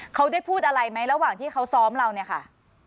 เขาได้พูดอะไรไหมระหว่างที่เขาซ้อมเราเนี่ยค่ะ